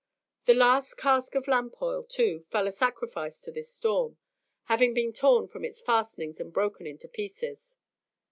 The last cask of lamp oil, too, fell a sacrifice to this storm, having been torn from its fastenings, and broken into pieces.